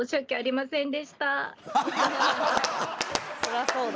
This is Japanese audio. そらそうだ。